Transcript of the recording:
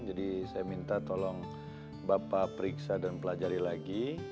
jadi saya minta tolong bapak periksa dan pelajari lagi